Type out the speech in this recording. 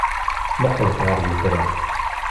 Mmuqqlet ɣer yitran.